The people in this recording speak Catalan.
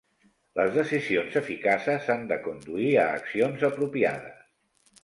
Les decisions eficaces han de conduir a accions apropiades.